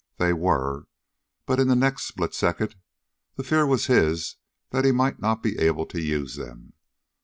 They were, but in the next split second the fear was his that he might not be able to use them.